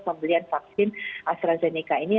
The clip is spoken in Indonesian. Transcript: pembelian vaksin astrazeneca ini